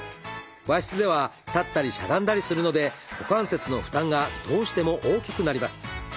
和室では立ったりしゃがんだりするので股関節の負担がどうしても大きくなります。